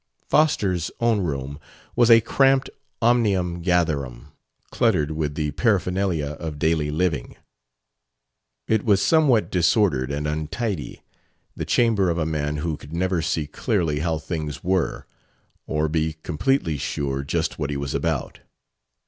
Foster's own room was a cramped omnium gatherum, cluttered with the paraphernalia of daily living. It was somewhat disordered and untidy the chamber of a man who could never see clearly how things were, or be completely sure just what he was about.